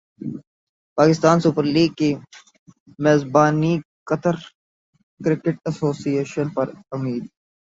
Pakistan super league کی میزبانیقطر cricket association پر امید